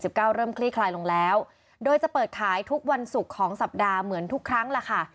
เริ่มคลี่คลายลงแล้วโดยจะเปิดขายทุกวันศุกร์ของสัปดาห์เหมือนทุกครั้งล่ะค่ะ